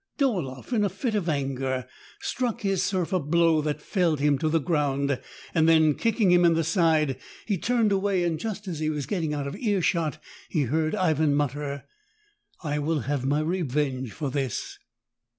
Dolaeff, in a fit of anger, struck his serf a blow that felled him to the ground ; then, kicking him in the side, he turned away, and just as he was get ting out of earshot he heard Ivan mutter : "I will have my revenge for this."